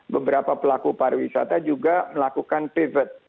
beberapa pelaku pariwisata juga melakukan private